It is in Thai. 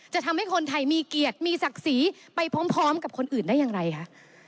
จะทำให้คนไทยมีเกียรติมีศักดิ์ศรีไปพร้อมกับคนอื่นได้อย่างไรคะ